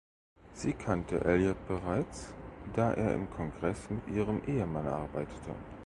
Sie kannte Elliott bereits, da er im Kongress mit ihrem Ehemann arbeitete.